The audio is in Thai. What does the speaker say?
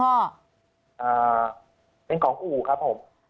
ก็เป็นของอู่ครับผม